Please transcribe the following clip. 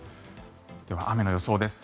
では、雨の予想です。